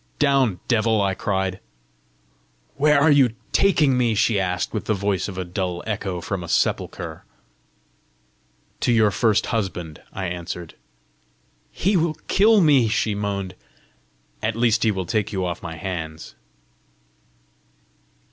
"Down, devil!" I cried. "Where are you taking me?" she asked, with the voice of a dull echo from a sepulchre. "To your first husband," I answered. "He will kill me!" she moaned. "At least he will take you off my hands!"